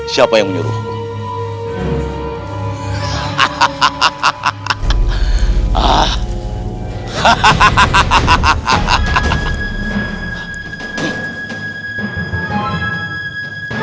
siapa yang menyuruhmu